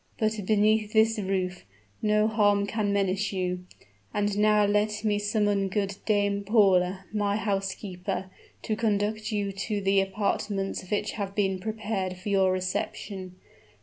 "But beneath this roof, no harm can menace you. And now let me summon good Dame Paula, my housekeeper, to conduct you to the apartments which have been prepared for your reception.